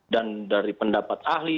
dan dari pendapat ahli